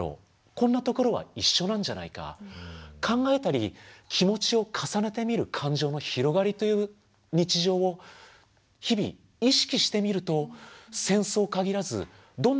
こんなところは一緒なんじゃないか考えたり気持ちを重ねてみる感情の広がりという日常を日々意識してみると戦争限らずどんな環境にも気持ちが広がっていく。